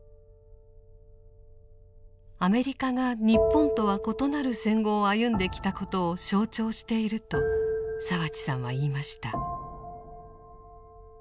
アメリカが日本とは異なる戦後を歩んできたことを象徴していると澤地さんは言いました。